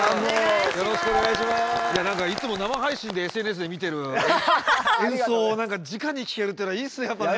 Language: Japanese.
いつも生配信でＳＮＳで見てる演奏をじかに聴けるというのはいいっすねやっぱね。